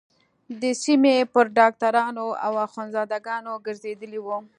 د سيمې پر ډاکترانو او اخوندزاده گانو گرځېدلې وه.